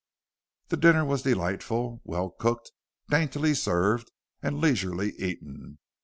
The dinner was delightful, well cooked, daintily served, and leisurely eaten.